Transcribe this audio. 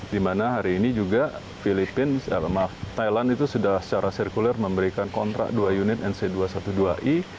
di mana hari ini juga thailand itu sudah secara sirkuler memberikan kontrak dua unit nc dua ratus dua belas i